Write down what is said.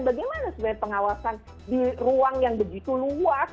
bagaimana sebenarnya pengawasan di ruang yang begitu luas